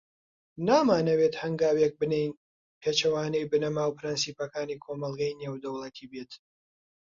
نامانەوێت هەنگاوێک بنێین، پێچەوانەوەی بنەما و پرەنسیپەکانی کۆمەڵگەی نێودەوڵەتی بێت.